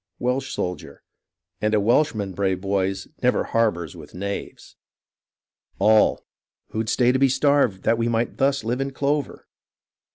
Welsh Soldier And a Welshman, prave poys, never harbours with knaves. All Then let us go over, Who'd stay to be starved, that might thus live in clover?